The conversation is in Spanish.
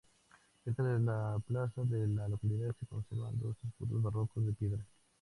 Cerca de la plaza de la localidad se conservan dos escudos barrocos de piedra.